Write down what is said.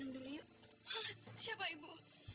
terima kasih jambo